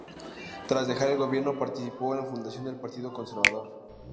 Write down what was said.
Tras dejar el gobierno, participó en la fundación del Partido Conservador.